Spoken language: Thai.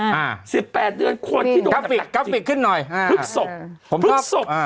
อ่าสิบแปดเดือนคนที่โดนกับขึ้นหน่อยภึกศพผมชอบภึกศพ